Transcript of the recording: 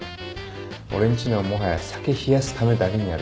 俺んちのもはや酒冷やすためだけにあるけん。